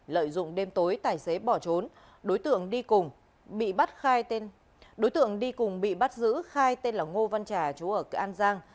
lợi dụng đêm tối tài xế bỏ trốn đối tượng đi cùng bị bắt giữ khai tên là ngô văn trà chú ở an giang